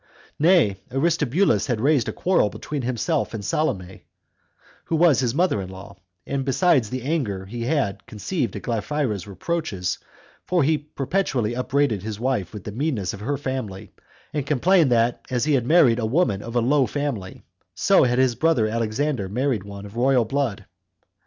3. Nay, Aristobulus had raised a quarrel between himself and Salome, who was his mother in law, besides the anger he had conceived at Glaphyra's reproaches; for he perpetually upbraided his wife with the meanness of her family, and complained, that as he had married a woman of a low family, so had his brother Alexander married one of royal blood.